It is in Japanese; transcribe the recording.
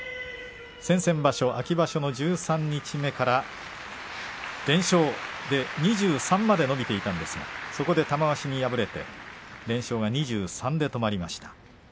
先々場所、秋場所の十三日目から連勝で２３まで伸びていたんですがそこで玉鷲に敗れて連勝が２３で止まりました。